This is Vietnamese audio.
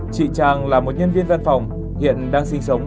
chị trang là một nhân viên văn phòng hiện đang sinh sống